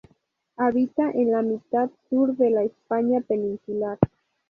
Habita en la mitad sur de la España peninsular.